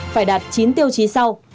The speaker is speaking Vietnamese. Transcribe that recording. phải đạt chín tiêu chí sau